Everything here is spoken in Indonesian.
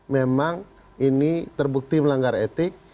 memang ini terbukti melanggar etik